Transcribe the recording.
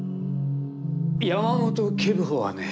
山本警部補はね